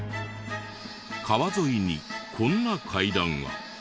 川沿いにこんな階段が。